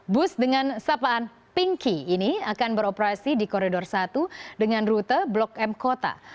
bus dengan sapaan pinky ini akan beroperasi di koridor satu dengan rute blok m kota